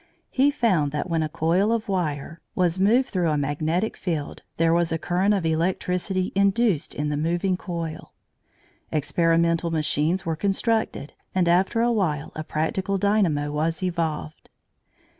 He found that when a coil of wire was moved through a magnetic field, there was a current of electricity induced in the moving coil. Experimental machines were constructed, and after a while a practical dynamo was evolved.